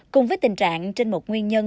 cùng với tình trạng trên một nguyên nhân